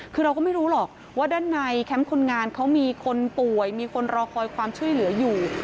คือเราก็ไม่รู้หรอกว่าด้านในแคมป์คนงานเขามีคนป่วยมีคนรอคอยความช่วยเหลืออยู่